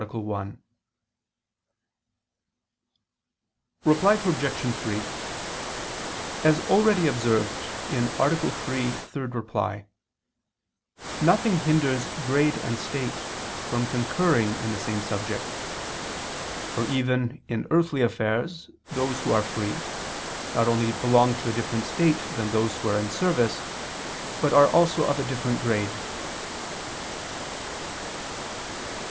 1). Reply Obj. 3: As already observed (A. 3, ad 3), nothing hinders grade and state from concurring in the same subject. For even in earthly affairs those who are free, not only belong to a different state from those who are in service, but are also of a different grade.